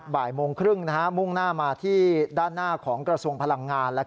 บ่ายโมงครึ่งมุ่งหน้ามาที่ด้านหน้าของกระทรวงพลังงาน